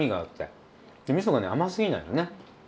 みそがね甘すぎないのね。